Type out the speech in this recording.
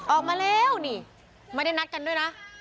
ออกมาแล้วนี่ไม่ได้นัดกันด้วยนะ